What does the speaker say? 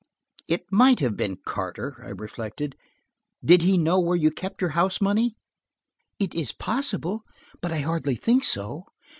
"It might have been Carter," I reflected, "Did he know where you kept your house money?" "It is possible, but I hardly think so.